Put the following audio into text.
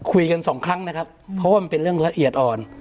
คุยกันสองครั้งนะครับเพราะว่ามันเป็นเรื่องละเอียดอ่อน